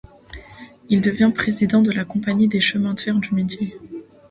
Il devient président de la Compagnie des chemins de fer du Midi.